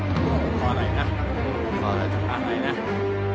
買わないな」